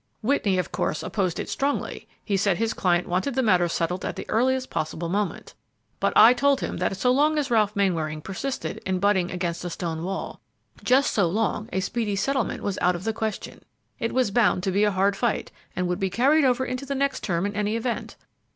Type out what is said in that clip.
"Whitney, of course, opposed it strongly. He said his client wanted the matter settled at the earliest possible moment; but I told him that so long as Ralph Mainwaring persisted in butting against a stone wall, just so long a speedy settlement was out of the question; it was bound to be a hard fight, and would be carried over into the next term in any event.